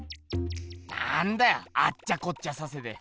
なんだよあっちゃこっちゃさせて。